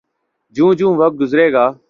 جوں جوں وقت گزرے گا۔